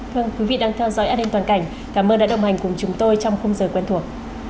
vâng quý vị đang theo dõi adem toàn cảnh cảm ơn đã đồng hành cùng chúng tôi trong không giờ quen thuộc